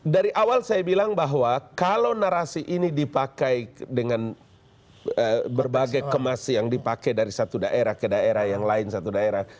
dari awal saya bilang bahwa kalau narasi ini dipakai dengan berbagai kemas yang dipakai dari satu daerah ke daerah yang lain satu daerah